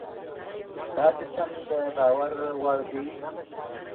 دا سیستم باور وړ دی.